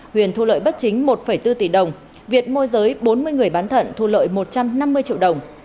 huyền thu lợi bất chính một bốn tỷ đồng việt môi giới bốn mươi người bán thận thu lợi một trăm năm mươi triệu đồng